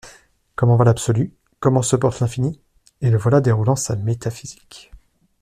Comment va l'Absolu, comment se porte l'Infini ? Et le voilà déroulant sa métaphysique.